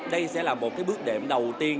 đây sẽ là một cái bước đệm đầu tiên